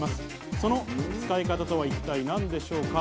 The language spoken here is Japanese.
その使い方とは一体、何でしょうか。